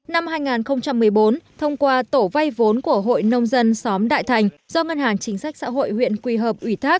năm hai nghìn một mươi bốn thông qua tổ vay vốn của hội nông dân xóm đại thành do ngân hàng chính sách xã hội huyện quỳ hợp ủy thác